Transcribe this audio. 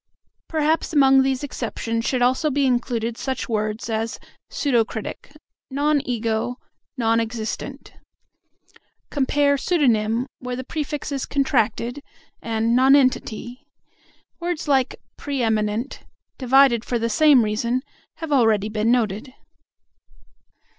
Perhaps among these exceptions should also be included such words as "pseudo critic," "non ego," "non existent." Compare "pseudonym," where the prefix is contracted, and "nonentity." Words like "pre eminent," divided for the same reason, have already been noted.